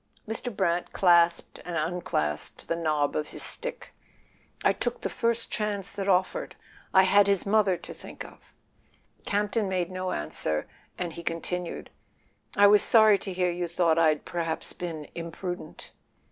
Mr. Brant clasped and unclasped the knob of his stick. "I took the first chance that offered; I had his mother to think of." Campton made no answer, and he continued: "I was sorry to hear you thought I'd perhaps been imprudent."